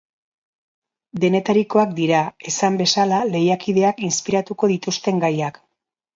Denetarikoak dira, esan bezala, lehiakideak inspiratuko dituzten gaiak.